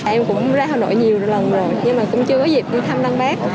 em cũng ra hà nội nhiều lần rồi nhưng mà cũng chưa có dịp đi tăm bác